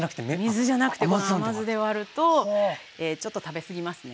水じゃなくてこの甘酢で割るとちょっと食べすぎますね。